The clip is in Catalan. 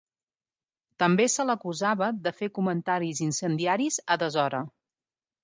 També se l'acusava de fer comentaris incendiaris a deshora.